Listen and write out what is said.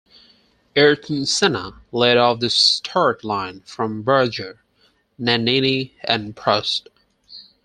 Ayrton Senna led off the start line from Berger, Nannini and Prost.